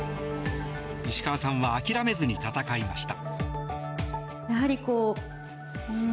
石川さんは諦めずに戦いました。